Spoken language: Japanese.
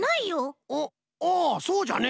あそうじゃねえ。